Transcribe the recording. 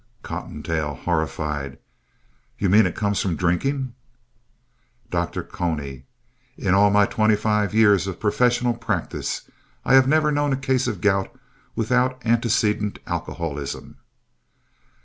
COTTONTAIL (horrified) You mean it comes from drinking? Dr. Cony In all my twenty five years of professional practice I have never known a case of gout without antecedent alcoholism.